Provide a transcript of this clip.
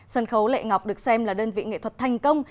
sân khấu lệ ngọc được xem là đơn vị nghệ thuật thành công